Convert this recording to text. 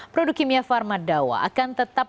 produk kimia pharma dawa akan tetap